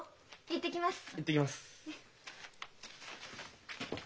行ってきます。